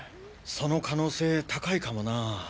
その可能性高いかもな。